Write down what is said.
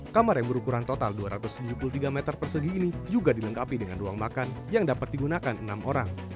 kamar yang berukuran total dua ratus tujuh puluh tiga meter persegi ini juga dilengkapi dengan ruang makan yang dapat digunakan enam orang